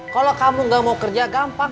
kalo kamu ga mau kerja gampang